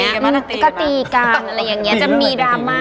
ต่างตีกันป่ะต่างตีกันป่ะต่างตีกันป่ะต่างตีกันป่ะต่างตีกันป่ะ